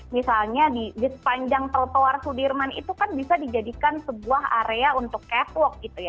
misalnya di sepanjang trotoar sudirman itu kan bisa dijadikan sebuah area untuk catwalk gitu ya